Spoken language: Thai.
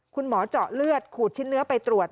คุณหมอเจาะเลือดขูดชิ้นเนื้อไปตรวจ